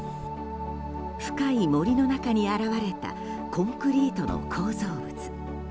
深い森の中に現れたコンクリートの構造物。